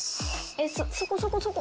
ｓそこそこそこ。